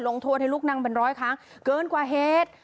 โทษให้ลูกนั่งเป็นร้อยครั้งเกินกว่าเหตุ